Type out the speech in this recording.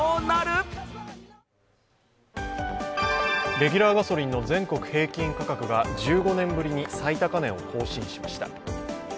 レギュラーガソリンの全国平均価格が１５年ぶりに最高値を更新しました。